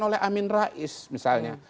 oleh amin rais misalnya